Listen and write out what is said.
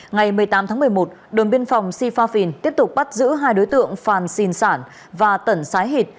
ngày một mươi tám tháng một mươi một đồn biên phòng sifafin tiếp tục bắt giữ hai đối tượng phàn xin sản và tẩn sái hịt